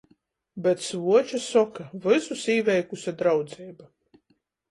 Bet svuoča soka — vysus īveikuse draudzeiba.